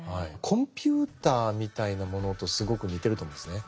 コンピューターみたいなものとすごく似てると思うんですね。